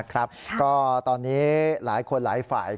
เขาก็ไปร้องเรียน